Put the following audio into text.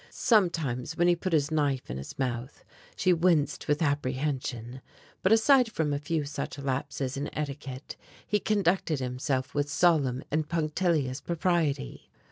Sometimes when he put his knife in his mouth she winced with apprehension, but aside from a few such lapses in etiquette he conducted himself with solemn and punctilious propriety.